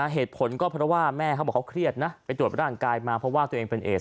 เหตุผลก็เพราะว่าแม่เขาบอกเขาเครียดนะไปตรวจร่างกายมาเพราะว่าตัวเองเป็นเอส